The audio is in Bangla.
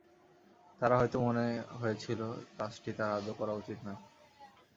তার হয়তো মনে হয়েছিল কাজটি তার আদৌ করা উচিত নয়।